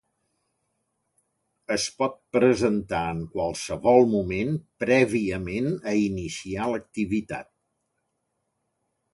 Es pot presentar en qualsevol moment prèviament a iniciar l'activitat.